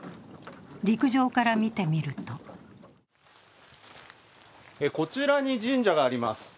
陸上から見てみるとこちらに神社があります。